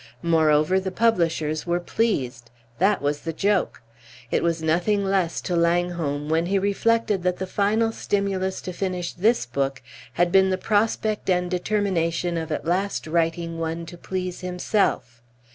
Moreover, the publishers were pleased; that was the joke. It was nothing less to Langholm when he reflected that the final stimulus to finish this book had been the prospect and determination of at last writing one to please himself.